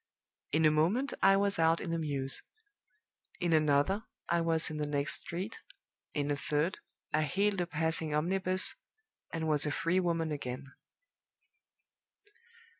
In a moment I was out in the mews; in another, I was in the next street; in a third, I hailed a passing omnibus, and was a free woman again.